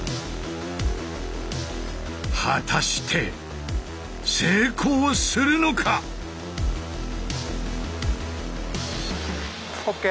果たして成功するのか⁉ＯＫ！